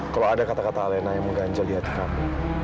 kalau ada kata kata alena yang mengganjal di hati kami